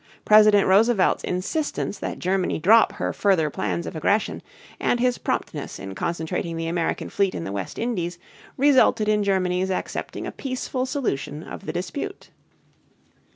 President Roosevelt's insistence that Germany drop her further plans of aggression, and his promptness in concentrating the American fleet in the West Indies, resulted in Germany's accepting a peaceful solution of the dispute.